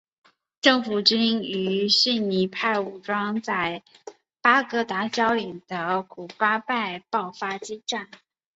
政府军与逊尼派武装在巴格达郊外的巴古拜爆发激战。